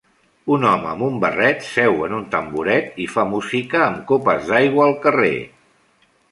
Un home amb un barret seu en un tamboret i fa música amb copes d'aigua al carrer